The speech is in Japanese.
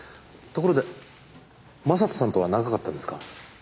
ところで将人さんとは長かったんですか？